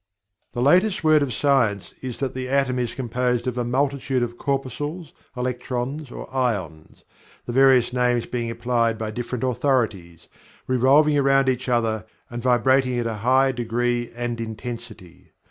The latest word of science is that the atom is composed of a multitude of corpuscles, electrons, or ions (the various names being applied by different authorities) revolving around each other and vibrating at a high degree and intensity.